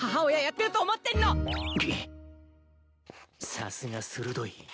さすが鋭い。